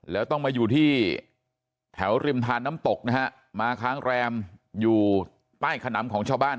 แล้วต้องมาอยู่ที่แถวริมทานน้ำตกนะฮะมาค้างแรมอยู่ใต้ขนำของชาวบ้าน